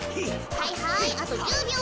はいはいあと１０びょう。